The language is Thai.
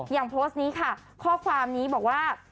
โพสต์นี้ค่ะข้อความนี้บอกว่า